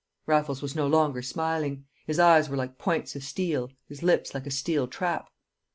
Raffles was no longer smiling; his eyes were like points of steel, his lips like a steel trap.